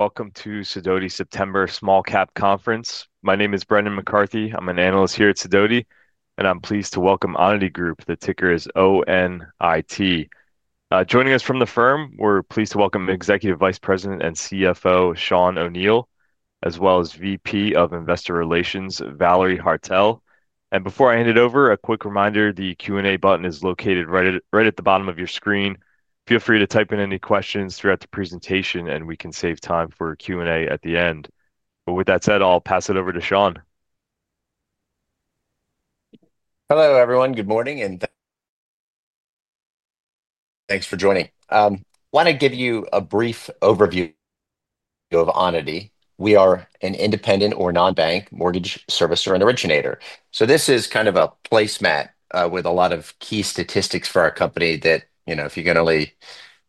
Welcome to Sadotti September Small Cap Conference. My name is Brendan McCarthy. I'm an analyst here at Sadotti, and I'm pleased to welcome Onity Group. The ticker is O-N-I-T. Joining us from the firm, we're pleased to welcome Executive Vice President and CFO, Sean O'Neil, as well as VP of Investor Relations, Valerie Haertel. Before I hand it over, a quick reminder: the Q&A button is located right at the bottom of your screen. Feel free to type in any questions throughout the presentation, and we can save time for Q&A at the end. With that said, I'll pass it over to Sean. Hello, everyone. Good morning and thanks for joining. I want to give you a brief overview of Onity. We are an independent or non-bank mortgage servicer and originator. This is kind of a placemat with a lot of key statistics for our company that, you know, if you can only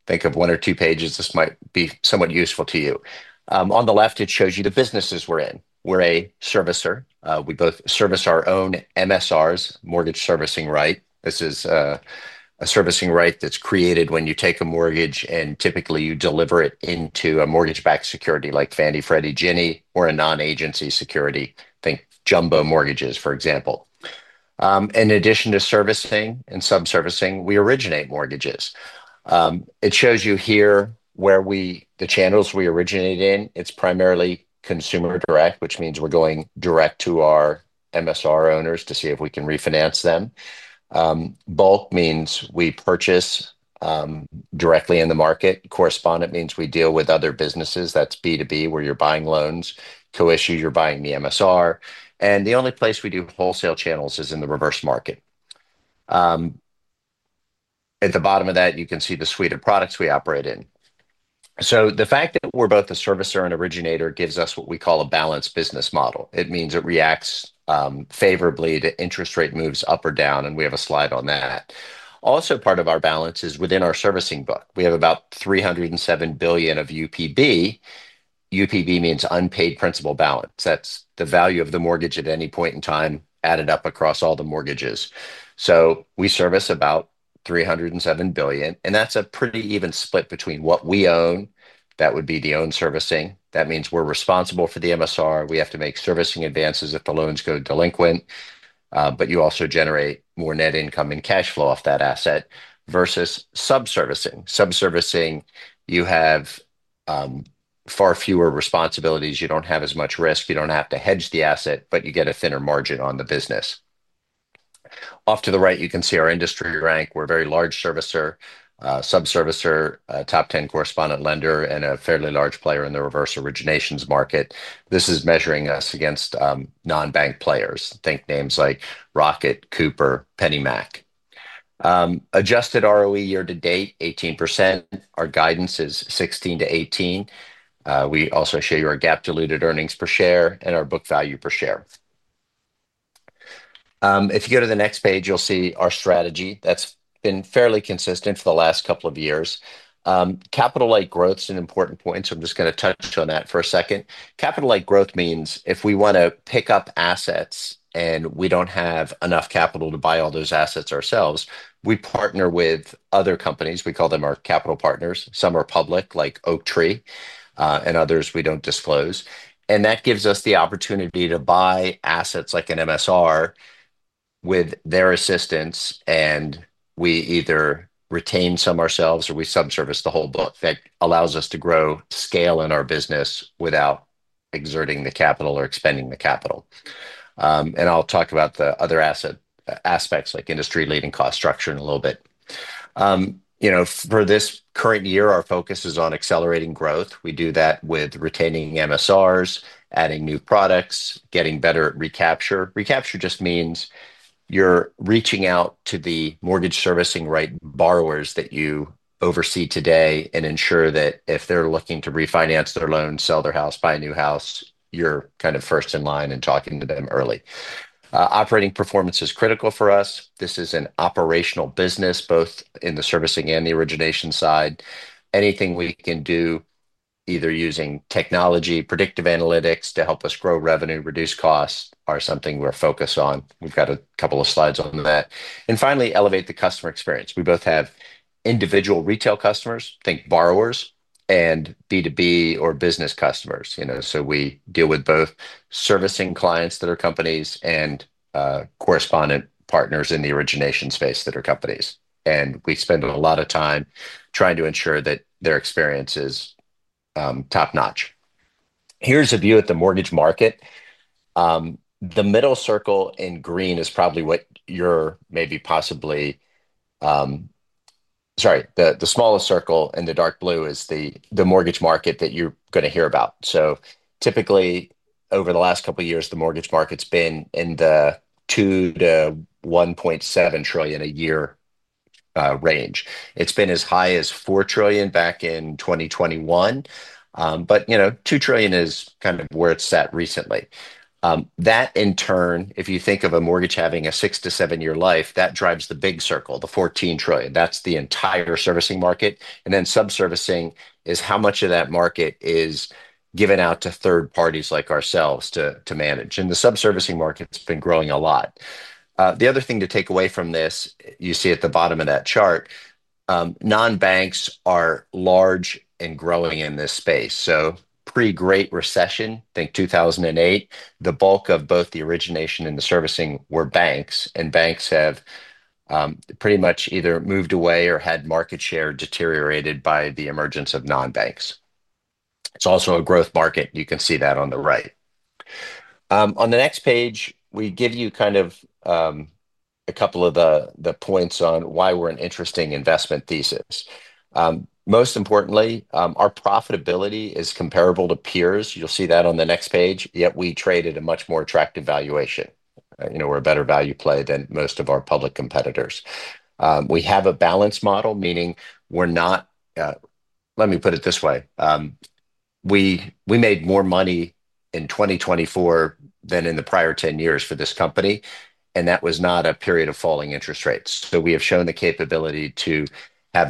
think of one or two pages, this might be somewhat useful to you. On the left, it shows you the businesses we're in. We're a servicer. We both service our own MSRs, Mortgage Servicing Rights. This is a servicing right that's created when you take a mortgage and typically you deliver it into a mortgage-backed security like Fannie, Freddie, Ginnie, or a non-agency security, think Jumbo Mortgages, for example. In addition to servicing and subservicing, we originate mortgages. It shows you here where we, the channels we originate in. It's primarily consumer direct, which means we're going direct to our MSR owners to see if we can refinance them. Bulk means we purchase directly in the market. Correspondent means we deal with other businesses. That's B2B, where you're buying loans to issue, you're buying the MSR. The only place we do wholesale channels is in the reverse market. At the bottom of that, you can see the suite of products we operate in. The fact that we're both a servicer and originator gives us what we call a balanced business model. It means it reacts favorably to interest rate moves up or down, and we have a slide on that. Also, part of our balance is within our servicing book. We have about $307 billion of UPB. UPB means unpaid principal balance. That's the value of the mortgage at any point in time, added up across all the mortgages. We service about $307 billion, and that's a pretty even split between what we own, that would be the owned servicing. That means we're responsible for the MSR. We have to make servicing advances if the loans go delinquent. You also generate more net income and cash flow off that asset versus subservicing. Subservicing, you have far fewer responsibilities. You don't have as much risk. You don't have to hedge the asset, but you get a thinner margin on the business. Off to the right, you can see our industry rank. We're a very large servicer, subservicer, top ten correspondent lender, and a fairly large player in the reverse originations market. This is measuring us against non-bank players. Think names like Rocket, Mr. Cooper, PennyMac. Adjusted ROE year to date, 18%. Our guidance is 16% to 18%. We also show you our GAAP-diluted earnings per share and our book value per share. If you go to the next page, you'll see our strategy that's been fairly consistent for the last couple of years. Capital-like growth is an important point, so I'm just going to touch on that for a second. Capital-like growth means if we want to pick up assets and we don't have enough capital to buy all those assets ourselves, we partner with other companies. We call them our capital partners. Some are public, like Oaktree, and others we don't disclose. That gives us the opportunity to buy assets like an MSR with their assistance, and we either retain some ourselves or we subservice the whole book. That allows us to grow, scale in our business without exerting the capital or expending the capital. I'll talk about the other asset aspects like industry leading cost structure in a little bit. For this current year, our focus is on accelerating growth. We do that with retaining MSRs, adding new products, getting better at recapture. Recapture just means you're reaching out to the mortgage servicing right borrowers that you oversee today and ensure that if they're looking to refinance their loan, sell their house, buy a new house, you're kind of first in line and talking to them early. Operating performance is critical for us. This is an operational business, both in the servicing and the origination side. Anything we can do, either using technology, predictive analytics to help us grow revenue, reduce costs, is something we're focused on. We've got a couple of slides on that. Finally, elevate the customer experience. We both have individual retail customers, think borrowers, and B2B or business customers. We deal with both servicing clients that are companies and correspondent partners in the origination space that are companies. We spend a lot of time trying to ensure that their experience is top-notch. Here's a view at the mortgage market. The middle circle in green is probably what you're maybe possibly, sorry, the smallest circle in the dark blue is the mortgage market that you're going to hear about. Typically, over the last couple of years, the mortgage market's been in the $2 trillion to $1.7 trillion a year range. It's been as high as $4 trillion back in 2021. $2 trillion is kind of where it's at recently. That in turn, if you think of a mortgage having a six to seven-year life, that drives the big circle, the $14 trillion. That's the entire servicing market. Subservicing is how much of that market is given out to third parties like ourselves to manage. The subservicing market's been growing a lot. The other thing to take away from this, you see at the bottom of that chart, non-banks are large and growing in this space. Pre-Great Recession, think 2008, the bulk of both the origination and the servicing were banks. Banks have pretty much either moved away or had market share deteriorated by the emergence of non-banks. It's also a growth market. You can see that on the right. On the next page, we give you kind of a couple of the points on why we're an interesting investment thesis. Most importantly, our profitability is comparable to peers. You'll see that on the next page. Yet we trade at a much more attractive valuation. We're a better value play than most of our public competitors. We have a balanced model, meaning we're not, let me put it this way, we made more money in 2024 than in the prior 10 years for this company, and that was not a period of falling interest rates. We have shown the capability to have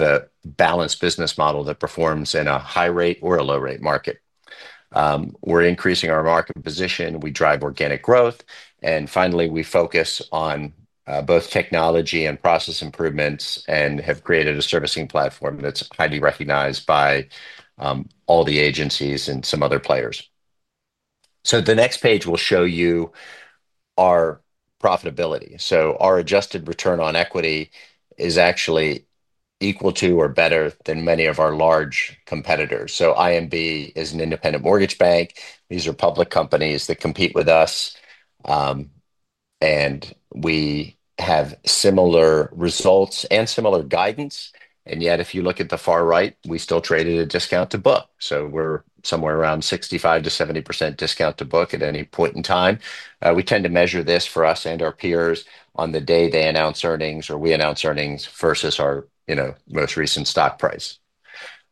a balanced business model that performs in a high rate or a low rate market. We're increasing our market position. We drive organic growth. Finally, we focus on both technology and process improvements and have created a servicing platform that's highly recognized by all the agencies and some other players. The next page will show you our profitability. Our adjusted return on equity is actually equal to or better than many of our large competitors. IMB is an independent mortgage bank. These are public companies that compete with us. We have similar results and similar guidance. Yet, if you look at the far right, we still trade at a discount to book. We're somewhere around 65% to 70% discount to book at any point in time. We tend to measure this for us and our peers on the day they announce earnings or we announce earnings versus our most recent stock price.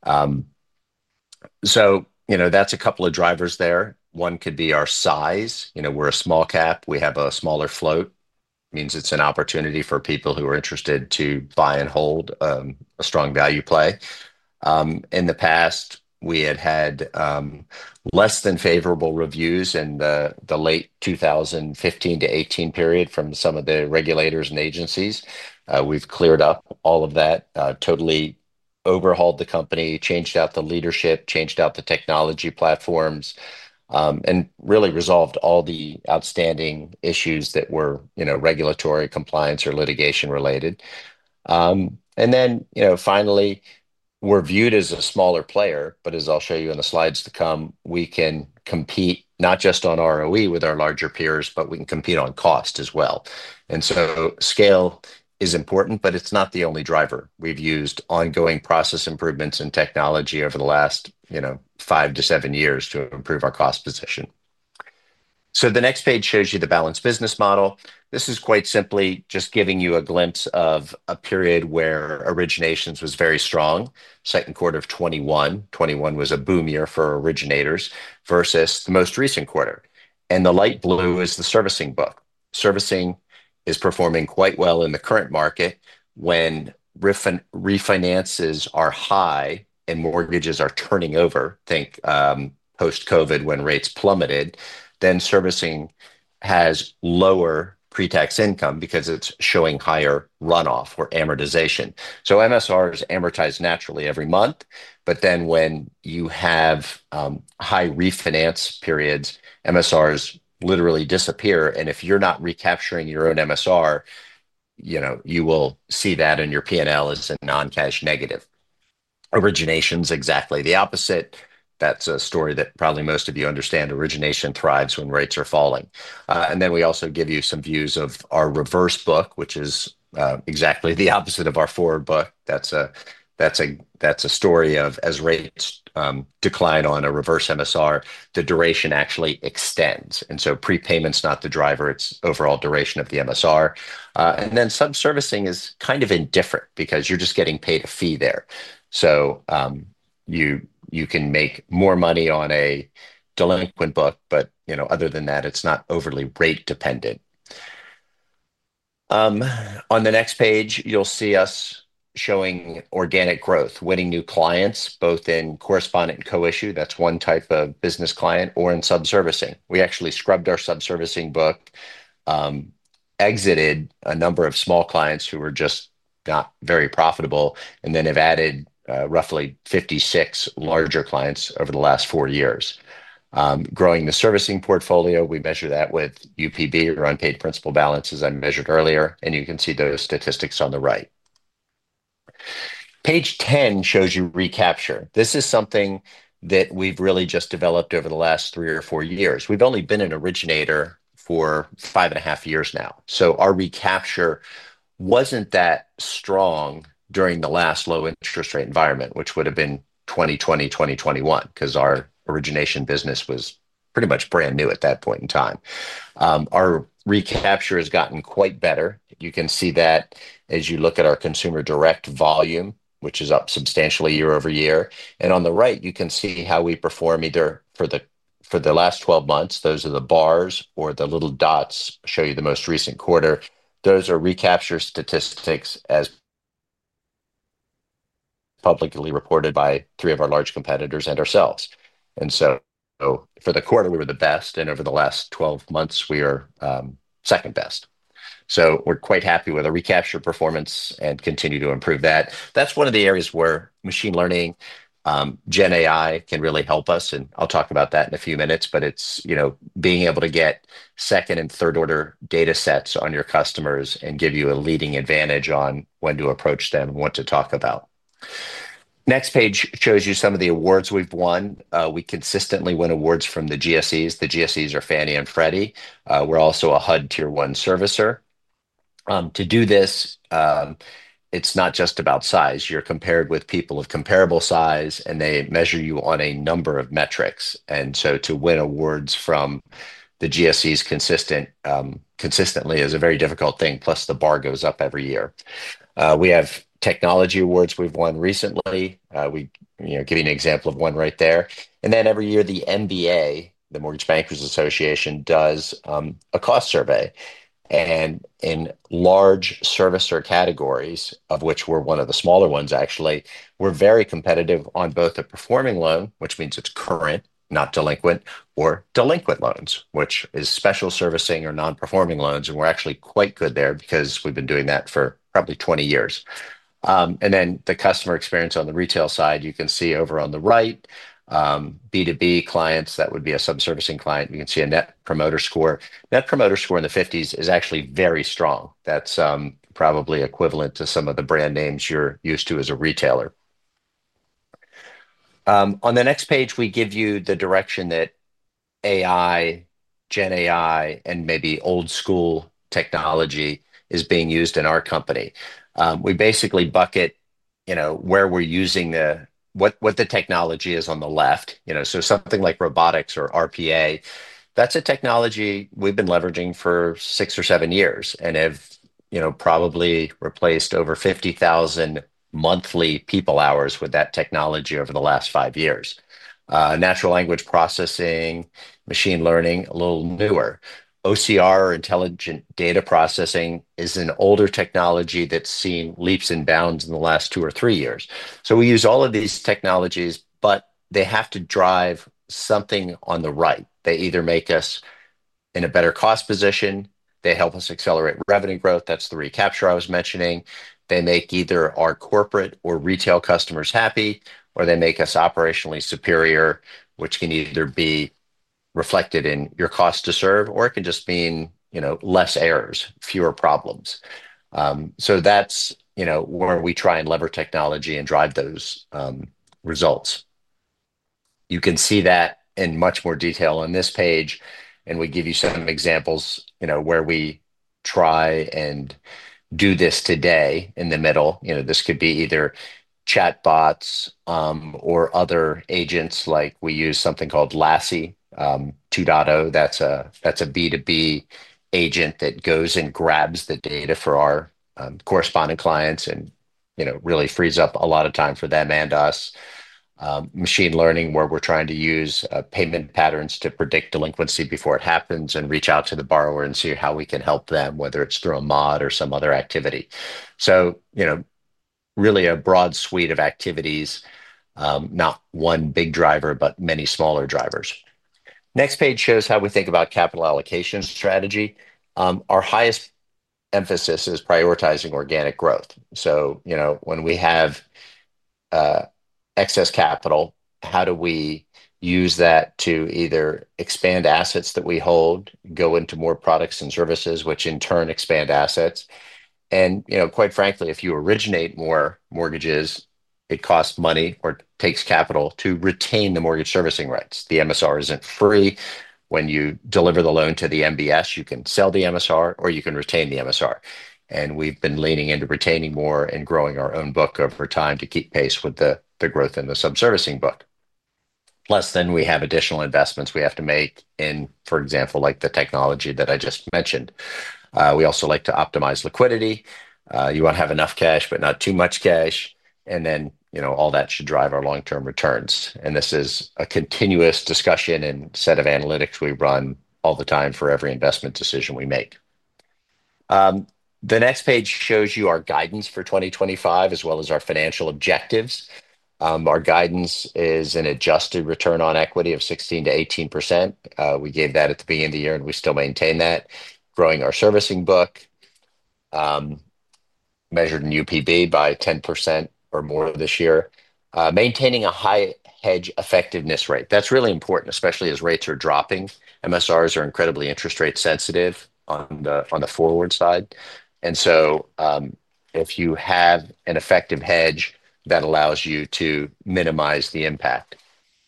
That's a couple of drivers there. One could be our size. We're a small cap. We have a smaller float. It means it's an opportunity for people who are interested to buy and hold a strong value play. In the past, we had had less than favorable reviews in the late 2015 to 2018 period from some of the regulators and agencies. We've cleared up all of that, totally overhauled the company, changed out the leadership, changed out the technology platforms, and really resolved all the outstanding issues that were, you know, regulatory, compliance, or litigation related. Finally, we're viewed as a smaller player, but as I'll show you in the slides to come, we can compete not just on ROE with our larger peers, but we can compete on cost as well. Scale is important, but it's not the only driver. We've used ongoing process improvements and technology over the last five to seven years to improve our cost position. The next page shows you the balanced business model. This is quite simply just giving you a glimpse of a period where originations was very strong. Second quarter of 2021, 2021 was a boom year for originators versus the most recent quarter. The light blue is the servicing book. Servicing is performing quite well in the current market when refinances are high and mortgages are turning over, think post-COVID when rates plummeted. Servicing has lower pre-tax income because it's showing higher runoff or amortization. MSRs amortize naturally every month, but when you have high refinance periods, MSRs literally disappear. If you're not recapturing your own MSR, you will see that in your P&L as a non-cash negative. Origination is exactly the opposite. That's a story that probably most of you understand. Origination thrives when rates are falling. We also give you some views of our reverse book, which is exactly the opposite of our forward book. That's a story of, as rates decline on a reverse MSR, the duration actually extends. Prepayment is not the driver. It's overall duration of the MSR. Subservicing is kind of indifferent because you're just getting paid a fee there. You can make more money on a delinquent book, but other than that, it's not overly rate dependent. On the next page, you'll see us showing organic growth, winning new clients, both in correspondent and co-issue. That's one type of business client or in subservicing. We actually scrubbed our subservicing book, exited a number of small clients who were just not very profitable, and then have added roughly 56 larger clients over the last four years. Growing the servicing portfolio, we measure that with UPB, or unpaid principal balance, as I measured earlier. You can see those statistics on the right. Page 10 shows you recapture. This is something that we've really just developed over the last three or four years. We've only been an originator for five and a half years now. Our recapture wasn't that strong during the last low interest rate environment, which would have been 2020, 2021, because our origination business was pretty much brand new at that point in time. Our recapture has gotten quite better. You can see that as you look at our consumer direct volume, which is up substantially year over year. On the right, you can see how we perform either for the last 12 months. Those are the bars, or the little dots show you the most recent quarter. Those are recapture statistics as publicly reported by three of our large competitors and ourselves. For the quarter, we were the best. Over the last 12 months, we are second best. We're quite happy with our recapture performance and continue to improve that. That's one of the areas where machine learning, generative AI, can really help us. I'll talk about that in a few minutes. It's being able to get second and third-order data sets on your customers and give you a leading advantage on when to approach them and what to talk about. Next page shows you some of the awards we've won. We consistently win awards from the GSEs. The GSEs are Fannie and Freddie. We're also a HUD Tier 1 servicer. To do this, it's not just about size. You're compared with people of comparable size, and they measure you on a number of metrics. To win awards from the GSEs consistently is a very difficult thing. Plus, the bar goes up every year. We have technology awards we've won recently. We're giving an example of one right there. Every year, the MBA, the Mortgage Bankers Association, does a cost survey. In large servicer categories, of which we're one of the smaller ones, actually, we're very competitive on both the performing loan, which means it's current, not delinquent, or delinquent loans, which is special servicing or non-performing loans. We're actually quite good there because we've been doing that for probably 20 years. The customer experience on the retail side, you can see over on the right, B2B clients, that would be a subservicing client. You can see a net promoter score. Net promoter score in the 50s is actually very strong. That's probably equivalent to some of the brand names you're used to as a retailer. On the next page, we give you the direction that AI, generative AI, and maybe old school technology is being used in our company. We basically bucket where we're using the, what the technology is on the left. Something like robotics or RPA, that's a technology we've been leveraging for six or seven years and have probably replaced over 50,000 monthly people hours with that technology over the last five years. Natural language processing, machine learning, a little newer. OCR, or intelligent data processing, is an older technology that's seen leaps and bounds in the last two or three years. We use all of these technologies, but they have to drive something on the right. They either make us in a better cost position, they help us accelerate revenue growth. That's the recapture I was mentioning. They make either our corporate or retail customers happy, or they make us operationally superior, which can either be reflected in your cost to serve, or it can just mean fewer errors, fewer problems. That's where we try and lever technology and drive those results. You can see that in much more detail on this page. We give you some examples where we try and do this today in the middle. This could be either chatbots or other agents. We use something called Lassie 2.0. That's a B2B agent that goes and grabs the data for our correspondent clients and really frees up a lot of time for them and us. Machine learning, where we're trying to use payment patterns to predict delinquency before it happens and reach out to the borrower and see how we can help them, whether it's through a mod or some other activity. Really a broad suite of activities, not one big driver, but many smaller drivers. Next page shows how we think about capital allocation strategy. Our highest emphasis is prioritizing organic growth. When we have excess capital, how do we use that to either expand assets that we hold, go into more products and services, which in turn expand assets? Quite frankly, if you originate more mortgages, it costs money or takes capital to retain the mortgage servicing rights. The MSR isn't free. When you deliver the loan to the MBS, you can sell the MSR or you can retain the MSR. We've been leaning into retaining more and growing our own book over time to keep pace with the growth in the subservicing book. Plus, then we have additional investments we have to make in, for example, like the technology that I just mentioned. We also like to optimize liquidity. You want to have enough cash, but not too much cash. All that should drive our long-term returns. This is a continuous discussion and set of analytics we run all the time for every investment decision we make. The next page shows you our guidance for 2025, as well as our financial objectives. Our guidance is an adjusted return on equity of 16% to 18%. We gave that at the beginning of the year, and we still maintain that. Growing our servicing book, measured in UPB, by 10% or more this year. Maintaining a high hedge effectiveness rate. That's really important, especially as rates are dropping. MSRs are incredibly interest rate sensitive on the forward side. If you have an effective hedge, that allows you to minimize the impact.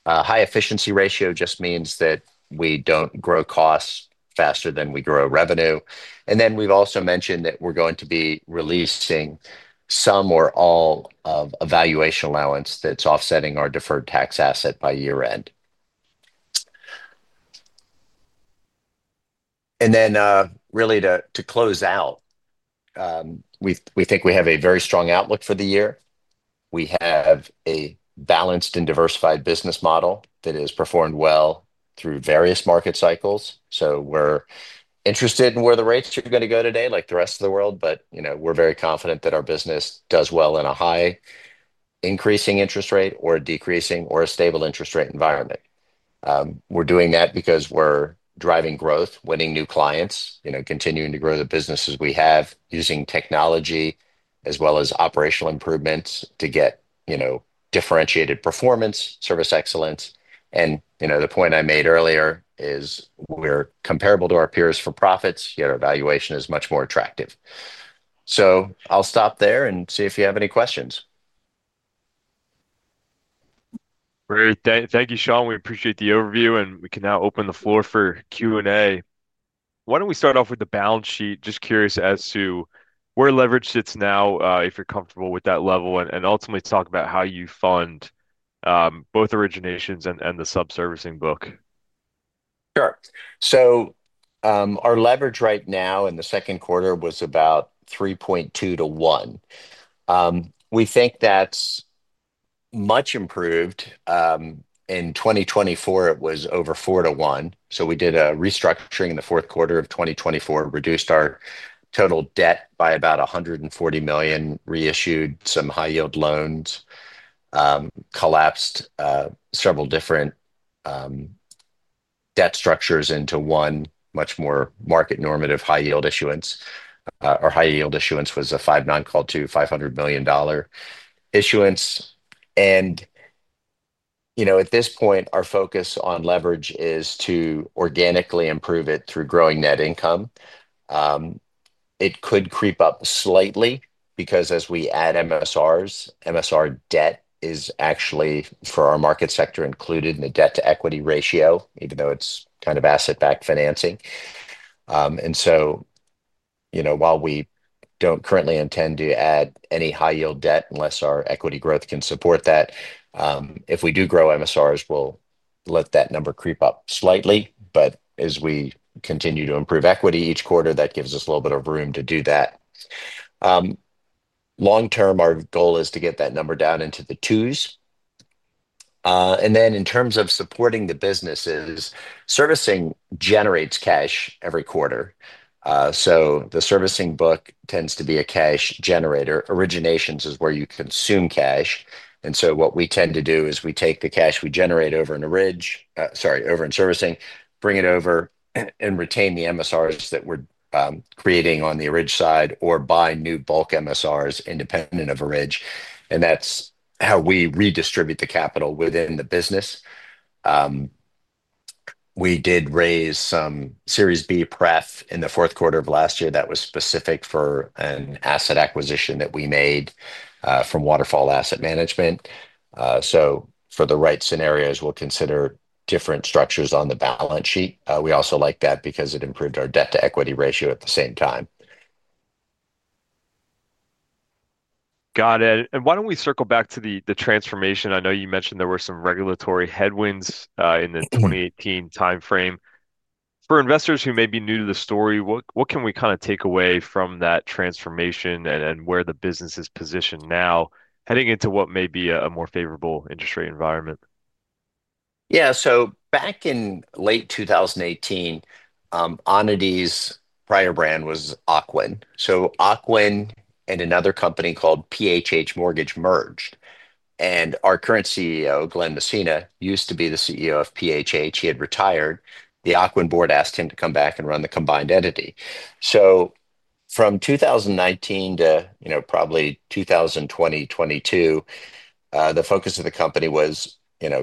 A high efficiency ratio just means that we don't grow costs faster than we grow revenue. We've also mentioned that we're going to be releasing some or all of a valuation allowance that's offsetting our deferred tax asset by year-end. To close out, we think we have a very strong outlook for the year. We have a balanced and diversified business model that has performed well through various market cycles. We're interested in where the rates are going to go today, like the rest of the world. We're very confident that our business does well in a high increasing interest rate or a decreasing or a stable interest rate environment. We're doing that because we're driving growth, winning new clients, continuing to grow the businesses we have, using technology as well as operational improvements to get differentiated performance, service excellence. The point I made earlier is we're comparable to our peers for profits, yet our valuation is much more attractive. I'll stop there and see if you have any questions. Great. Thank you, Sean. We appreciate the overview, and we can now open the floor for Q&A. Why don't we start off with the balance sheet? Just curious as to where leverage sits now, if you're comfortable with that level, and ultimately talk about how you fund both originations and the subservicing book. Sure. Our leverage right now in the second quarter was about 3.2 to 1. We think that's much improved. In 2024, it was over 4 to 1. We did a restructuring in the fourth quarter of 2024, reduced our total debt by about $140 million, reissued some high-yield loans, collapsed several different debt structures into one much more market normative high-yield issuance. Our high-yield issuance was a 5 non-called to $500 million issuance. At this point, our focus on leverage is to organically improve it through growing net income. It could creep up slightly because as we add MSRs, MSR debt is actually, for our market sector, included in the debt-to-equity ratio, even though it's kind of asset-backed financing. While we don't currently intend to add any high-yield debt unless our equity growth can support that, if we do grow MSRs, we'll let that number creep up slightly. As we continue to improve equity each quarter, that gives us a little bit of room to do that. Long term, our goal is to get that number down into the 2s. In terms of supporting the businesses, servicing generates cash every quarter. The servicing book tends to be a cash generator. Originations is where you consume cash. What we tend to do is we take the cash we generate over in servicing, bring it over and retain the MSRs that we're creating on the origination side or buy new bulk MSRs independent of origination. That's how we redistribute the capital within the business. We did raise some Series B PREF in the fourth quarter of last year that was specific for an asset acquisition that we made from Waterfall Asset Management. For the right scenarios, we'll consider different structures on the balance sheet. We also like that because it improved our debt-to-equity ratio at the same time. Got it. Why don't we circle back to the transformation? I know you mentioned there were some regulatory headwinds in the 2018 timeframe. For investors who may be new to the story, what can we kind of take away from that transformation and where the business is positioned now, heading into what may be a more favorable interest rate environment? Yeah, so back in late 2018, Onity's prior brand was Ocwen. Ocwen and another company called PHH Mortgage merged. Our current CEO, Glen Messina, used to be the CEO of PHH. He had retired. The Ocwen board asked him to come back and run the combined entity. From 2019 to probably 2020, 2022, the focus of the company was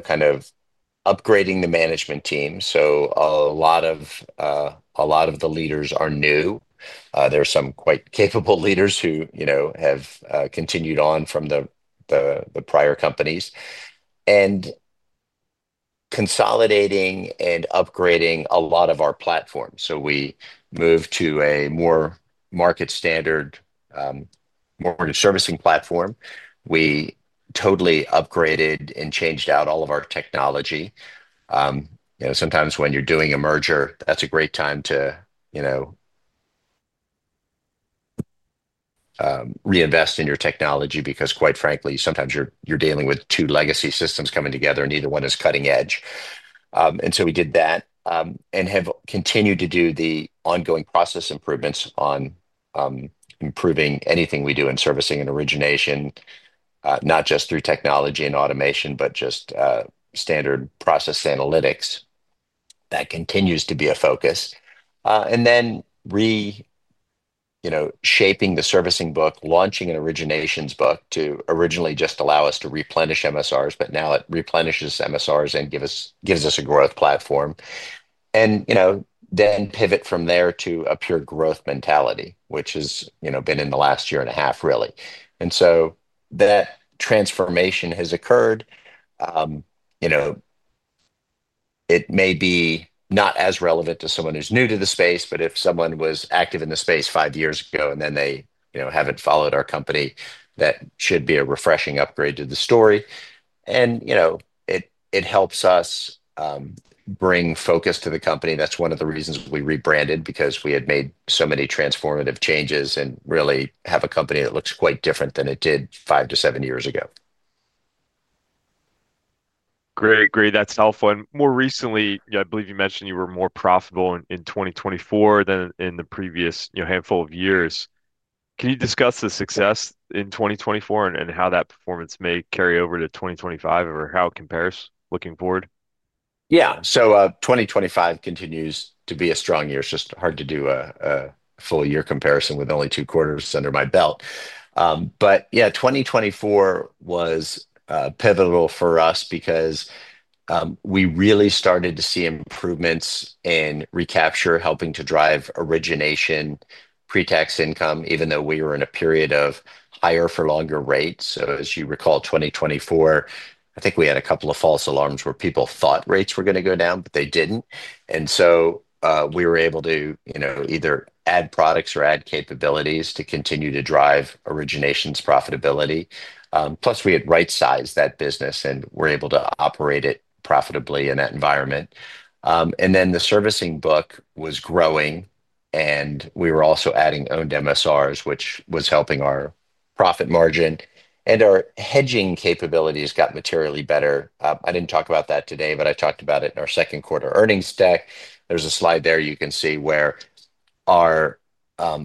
kind of upgrading the management team. A lot of the leaders are new. There are some quite capable leaders who have continued on from the prior companies. Consolidating and upgrading a lot of our platform, we moved to a more market standard mortgage servicing platform. We totally upgraded and changed out all of our technology. Sometimes when you're doing a merger, that's a great time to reinvest in your technology because, quite frankly, sometimes you're dealing with two legacy systems coming together and neither one is cutting edge. We did that and have continued to do the ongoing process improvements on improving anything we do in servicing and origination, not just through technology and automation, but just standard process analytics. That continues to be a focus. Then reshaping the servicing book, launching an originations book to originally just allow us to replenish MSRs, but now it replenishes MSRs and gives us a growth platform. You pivot from there to a pure growth mentality, which has been in the last year and a half, really. That transformation has occurred. It may be not as relevant to someone who's new to the space, but if someone was active in the space five years ago and then they haven't followed our company, that should be a refreshing upgrade to the story. It helps us bring focus to the company. That's one of the reasons we rebranded because we had made so many transformative changes and really have a company that looks quite different than it did five to seven years ago. Great, great. That's helpful. More recently, I believe you mentioned you were more profitable in 2024 than in the previous handful of years. Can you discuss the success in 2024 and how that performance may carry over to 2025 or how it compares looking forward? Yeah, so 2025 continues to be a strong year. It's just hard to do a full year comparison with only two quarters under my belt. Yeah, 2024 was pivotal for us because we really started to see improvements in recapture, helping to drive origination, pre-tax income, even though we were in a period of higher for longer rates. As you recall, 2024, I think we had a couple of false alarms where people thought rates were going to go down, but they didn't. We were able to, you know, either add products or add capabilities to continue to drive originations profitability. Plus, we had right-sized that business and were able to operate it profitably in that environment. The servicing book was growing and we were also adding owned MSRs, which was helping our profit margin and our hedging capabilities got materially better. I didn't talk about that today, but I talked about it in our second quarter earnings tech. There's a slide there you can see where our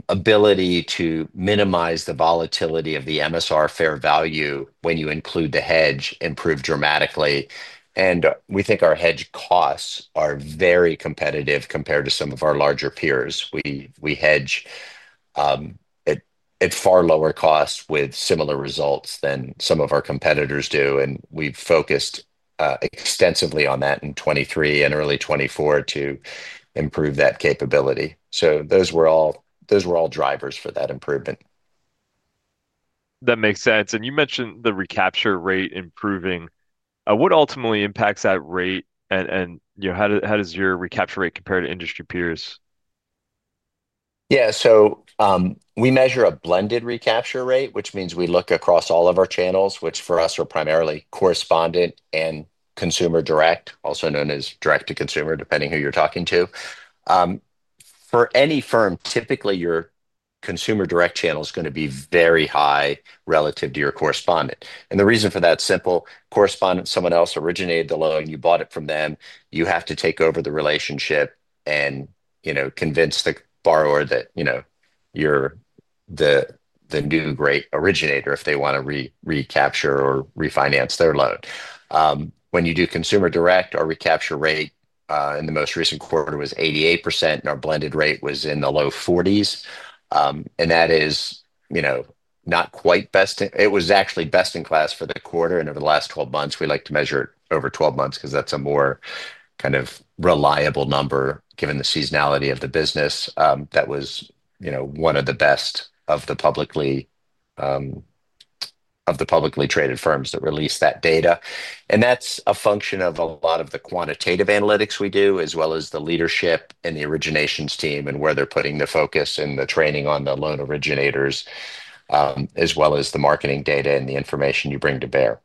ability to minimize the volatility of the MSR fair value when you include the hedge improved dramatically. We think our hedge costs are very competitive compared to some of our larger peers. We hedge at far lower costs with similar results than some of our competitors do. We've focused extensively on that in 2023 and early 2024 to improve that capability. Those were all drivers for that improvement. That makes sense. You mentioned the recapture rate improving. What ultimately impacts that rate, and how does your recapture rate compare to industry peers? Yeah, so we measure a blended recapture rate, which means we look across all of our channels, which for us are primarily correspondent and consumer direct, also known as direct to consumer, depending on who you're talking to. For any firm, typically your consumer direct channel is going to be very high relative to your correspondent. The reason for that is simple. Correspondent, someone else originated the loan, you bought it from them, you have to take over the relationship and, you know, convince the borrower that, you know, you're the new great originator if they want to recapture or refinance their loan. When you do consumer direct, our recapture rate in the most recent quarter was 88% and our blended rate was in the low 40s. That is, you know, not quite best in, it was actually best in class for the quarter and over the last 12 months. We like to measure over 12 months because that's a more kind of reliable number given the seasonality of the business. That was, you know, one of the best of the publicly traded firms that released that data. That's a function of a lot of the quantitative analytics we do, as well as the leadership and the originations team and where they're putting the focus and the training on the loan originators, as well as the marketing data and the information you bring to bear.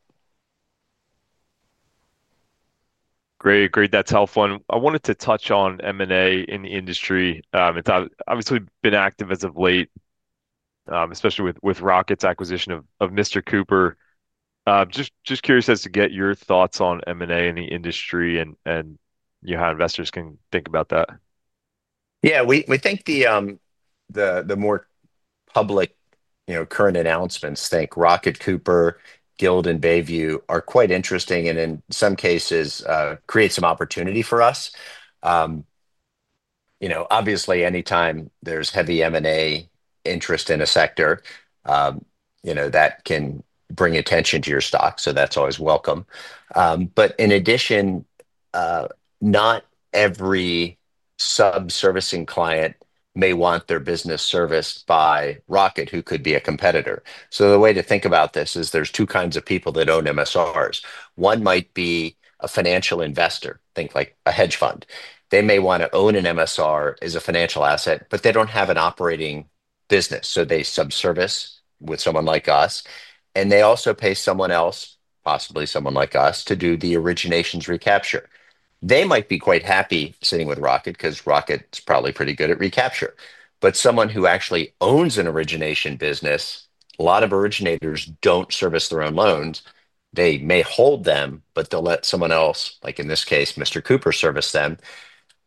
Great, great. That's helpful. I wanted to touch on M&A in the industry. It's obviously been active as of late, especially with Rocket's acquisition of Mr. Cooper. Just curious as to get your thoughts on M&A in the industry and how investors can think about that. Yeah, we think the more public, you know, current announcements, think Rocket, Mr. Cooper, Guild, and Bayview, are quite interesting and in some cases create some opportunity for us. Obviously, anytime there's heavy M&A interest in a sector, that can bring attention to your stock. That's always welcome. In addition, not every subservicing client may want their business serviced by Rocket, who could be a competitor. The way to think about this is there's two kinds of people that own MSRs. One might be a financial investor, think like a hedge fund. They may want to own an MSR as a financial asset, but they don't have an operating business. They subservice with someone like us. They also pay someone else, possibly someone like us, to do the originations recapture. They might be quite happy sitting with Rocket because Rocket's probably pretty good at recapture. Someone who actually owns an origination business, a lot of originators don't service their own loans. They may hold them, but they'll let someone else, like in this case, Mr. Cooper, service them.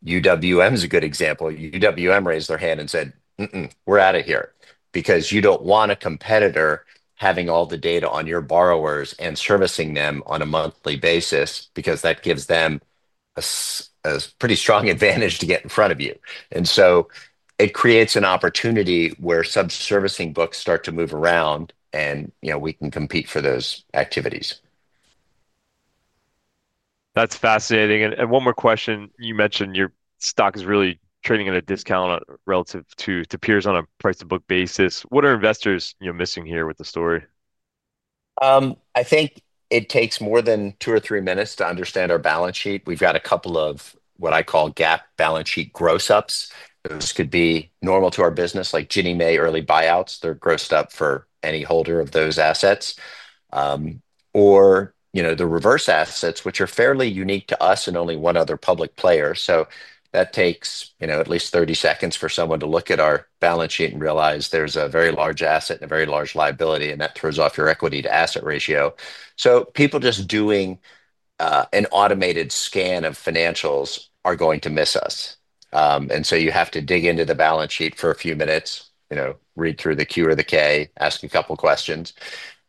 UWM is a good example. UWM raised their hand and said, "Mm-mm, we're out of here." You don't want a competitor having all the data on your borrowers and servicing them on a monthly basis because that gives them a pretty strong advantage to get in front of you. It creates an opportunity where subservicing books start to move around and, you know, we can compete for those activities. That's fascinating. One more question. You mentioned your stock is really trading at a discount relative to peers on a price-to-book basis. What are investors, you know, missing here with the story? I think it takes more than two or three minutes to understand our balance sheet. We've got a couple of what I call GAAP balance sheet gross-ups. Those could be normal to our business, like Ginnie Mae early buyouts. They're grossed up for any holder of those assets, or the reverse assets, which are fairly unique to us and only one other public player. That takes at least 30 seconds for someone to look at our balance sheet and realize there's a very large asset and a very large liability, and that throws off your equity-to-asset ratio. People just doing an automated scan of financials are going to miss us. You have to dig into the balance sheet for a few minutes, read through the Q or the K, ask a couple of questions.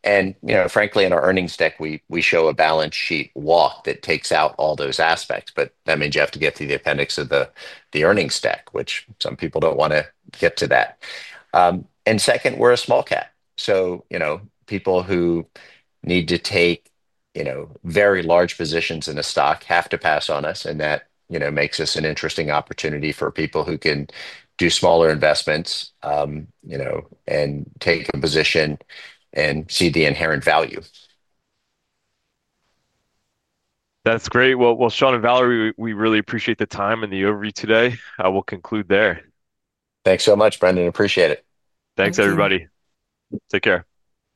Frankly, in our earnings deck, we show a balance sheet walk that takes out all those aspects. That means you have to get through the appendix of the earnings deck, which some people don't want to get to. Second, we're a small cap. People who need to take very large positions in a stock have to pass on us. That makes us an interesting opportunity for people who can do smaller investments and take a position and see the inherent value. That's great. Sean and Valerie, we really appreciate the time and the overview today. I will conclude there. Thanks so much, Brendan. Appreciate it. Thanks, everybody. Take care.